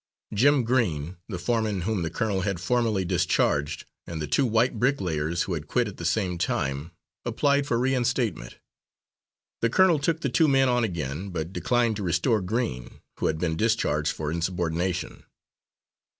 Jim Green, the foreman whom the colonel had formerly discharged, and the two white brick layers who had quit at the same time, applied for reinstatement. The colonel took the two men on again, but declined to restore Green, who had been discharged for insubordination.